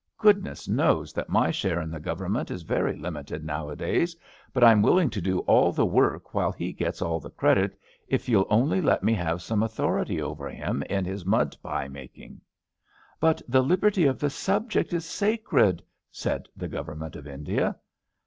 Goodness knows that my share in the Government is very limited nowadays, but I'm willing to do all the work while he gets all the credit if you'll only let me have some authority over him in his mud pie making." But the liberty of the subject is sacred," said the Government of India.